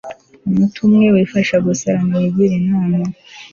umutwe umwe wifasha gusara ntiwigira inama